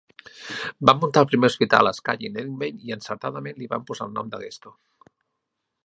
Va muntar el primer hospital a Skye in Edinbane, i encertadament li van posar el nom de Gesto.